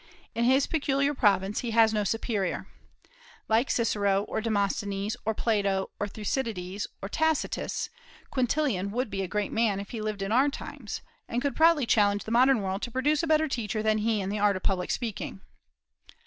In his peculiar province he has had no superior. Like Cicero or Demosthenes or Plato or Thucydides or Tacitus, Quintilian would be a great man if he lived in our times, and could proudly challenge the modern world to produce a better teacher than he in the art of public speaking.